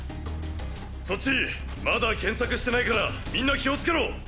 そっちまだ検索してないからみんな気をつけろ。